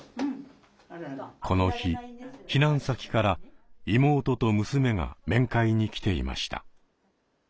この日避難先から妹と娘が面会に来ていました。